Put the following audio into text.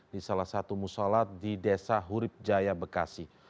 di salah satu musola di desa hurib jaya bekasi